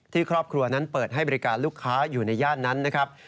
ครอบครัวนั้นเปิดให้บริการลูกค้าอยู่ในย่านนั้นนะครับ